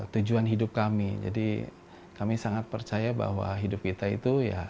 tujuan hidup kami jadi kami sangat percaya bahwa hidup kita itu ya